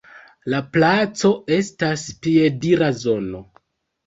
La placo estas piedira zono.